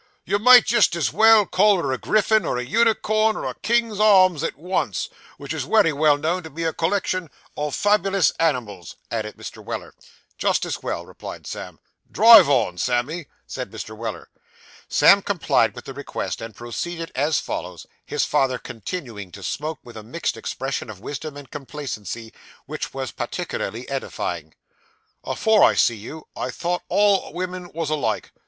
'You might jist as well call her a griffin, or a unicorn, or a king's arms at once, which is wery well known to be a collection o' fabulous animals,' added Mr. Weller. 'Just as well,' replied Sam. 'Drive on, Sammy,' said Mr. Weller. Sam complied with the request, and proceeded as follows; his father continuing to smoke, with a mixed expression of wisdom and complacency, which was particularly edifying. '"Afore I see you, I thought all women was alike."